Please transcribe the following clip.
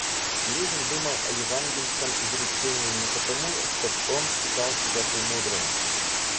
Левин думал о евангельском изречении не потому, чтоб он считал себя премудрым.